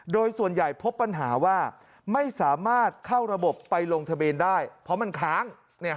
โดยส่วนใหญ่พบปัญหาว่าไม่สามารถเข้าระบบไปลงทะเบียนได้เพราะมันค้าง